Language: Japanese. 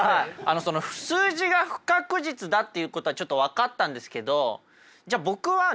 その数字が不確実だっていうことはちょっと分かったんですけど